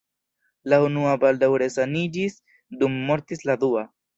La unua baldaŭ resaniĝis, dum mortis la dua.